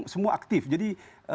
semua aktif jadi